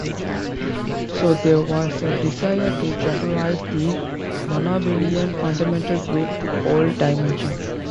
So there was a desire to generalise the nonabelian fundamental group to all dimensions.